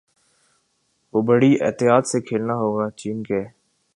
وہ بڑی احتیاط سے کھیلنا ہوگا چین کے